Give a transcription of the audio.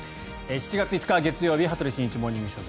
７月５日月曜日「羽鳥慎一モーニングショー」。